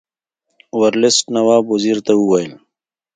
ورلسټ نواب وزیر ته وویل.